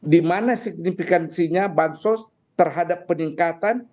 dimana signifikansinya bansos terhadap peningkatan